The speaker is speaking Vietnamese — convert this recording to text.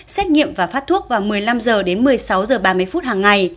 xét nghiệm và phát thuốc vào một mươi năm h đến một mươi sáu h ba mươi phút hàng ngày